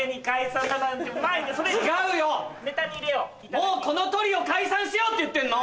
もうこのトリオ解散しようって言ってんの！